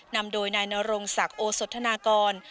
นำโดยนายนรงศักดิ์โอสธนากร